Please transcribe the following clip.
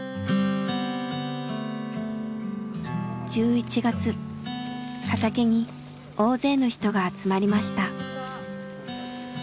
１１月畑に大勢の人が集まりました。